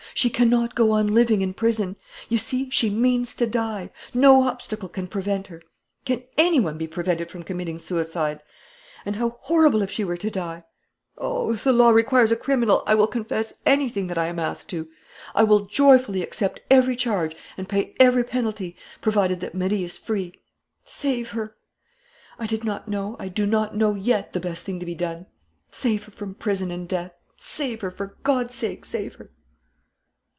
She cannot go on living in prison. You see, she means to die. No obstacle can prevent her. Can any one be prevented from committing suicide? And how horrible if she were to die!... Oh, if the law requires a criminal I will confess anything that I am asked to. I will joyfully accept every charge and pay every penalty, provided that Marie is free! Save her!... I did not know, I do not yet know the best thing to be done! Save her from prison and death, save her, for God's sake, save her!"